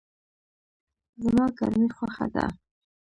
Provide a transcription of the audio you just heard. زما ګرمی خوښه ده